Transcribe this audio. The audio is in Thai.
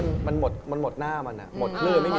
ตัดโชคเลยไง